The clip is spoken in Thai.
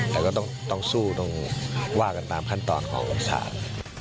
แต่ก็ต้องสู้ต้องว่ากันตามขั้นตอนของศาล